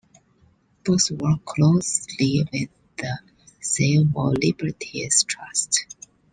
Both work closely with the Civil Liberties Trust.